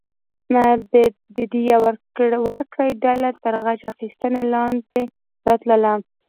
د دیه ورکړې ډله تر غچ اخیستنې لاندې راتله.